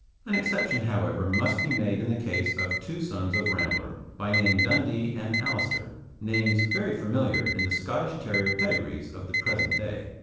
An exception, however, must be made in the case of two sons of Rambler, by name Dundee and Alister, names very familiar in the Scottish Terrier pedigrees of the present day.